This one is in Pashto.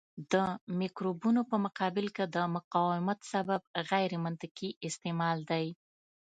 د مکروبونو په مقابل کې د مقاومت سبب غیرمنطقي استعمال دی.